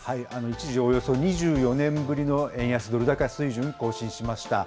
一時およそ２４年ぶりの円安ドル高水準を更新しました。